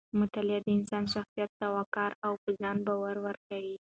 مطالعه د انسان شخصیت ته وقار او په ځان باور ورکوي.